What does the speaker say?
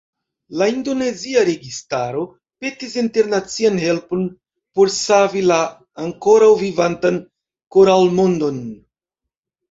La indonezia registaro petis internacian helpon por savi la ankoraŭ vivantan koralmondon.